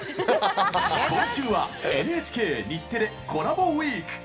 今週は「ＮＨＫ×日テレコラボウイーク」。